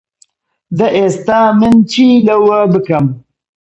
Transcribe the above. دە ئێستا من چی لەوە بکەم؟